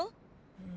うん。